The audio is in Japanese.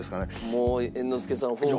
もう猿之助さん。